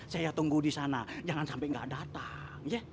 saya tunggu di sana jangan sampai enggak datang ya